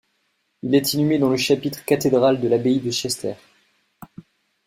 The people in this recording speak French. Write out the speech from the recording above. Il est inhumé dans le chapitre cathédral de l'abbaye de Chester.